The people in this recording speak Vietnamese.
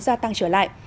sao tăng trở lại